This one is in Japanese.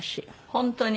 本当に。